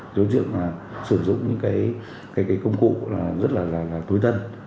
đối tượng là sử dụng những cái công cụ rất là tối tân